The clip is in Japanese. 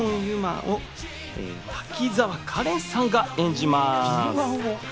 磨を滝沢カレンさんが演じます。